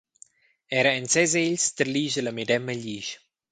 Era en ses egls tarlischa la medema glisch.